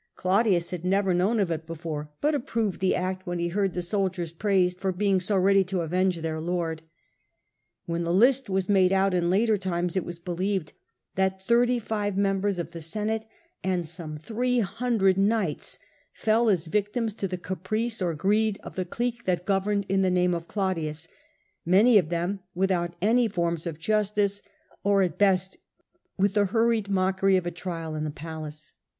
Claudius had never A.D. 4I '54« Claudius. 93 known of it before, but approved the act when he heard the soldiers praised for being so ready to avenge their lord. When the list was made out in later times, it was believed that thirty five members of the Senate and some three hundred knights fell as victims to the caprice or greed of the clique that governed in the name of Claudius, many of them without any forms of justice, or at best with the hurried mockery of a trial in the palace.